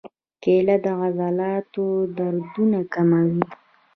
کېله د عضلاتو دردونه کموي.